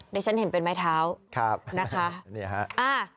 ได้ฉันเห็นเป็นไม้เท้านะคะนี่ครับ